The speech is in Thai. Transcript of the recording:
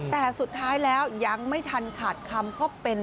แต่สุดท้ายแล้วยังไม่ทันขาดคำเพราะเป็น